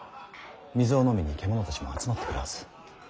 水を飲みに獣たちも集まってくるはず。